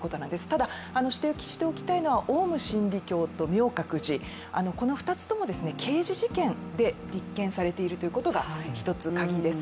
ただ指摘しておきたいのはオウム真理教と明覚寺、この２つとも、刑事事件で立件されているということが一つカギです。